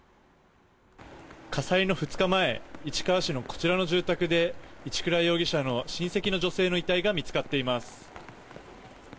火災の２日前市川市のこちらの住宅で一倉容疑者の親戚の女性の遺体が見つかっています。